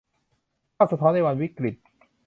ภาพสะท้อนในวันวิกฤต